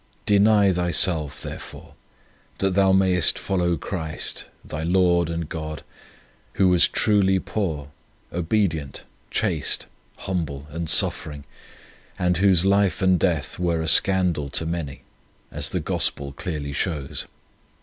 Deny thyself, therefore, that thou mayest follow Christ, thy Lord and God, Who was truly poor, obedient, chaste, humble, and suffering, and Whose life and death were a scandal to many, as the Gospel clearly shows.